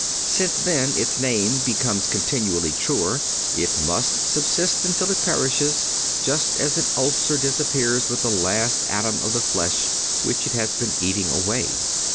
Since, then, its name becomes continually truer, it must subsist until it perishes, just as an ulcer disappears with the last atom of the flesh which it has been eating away."